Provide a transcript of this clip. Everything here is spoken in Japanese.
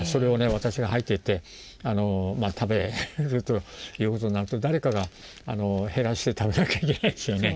私が入っていって食べるということになると誰かが減らして食べなきゃいけないですよね。